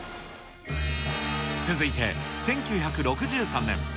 続いて、１９６３年。